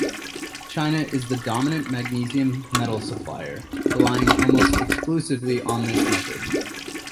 China is the dominant magnesium metal supplier, relying almost exclusively on this method.